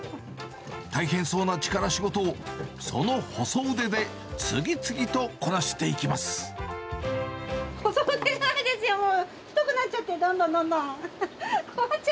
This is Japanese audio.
大変そうな力仕事を、その細腕で細腕じゃないですよ、もう太くなっちゃって、どんどんどんどん。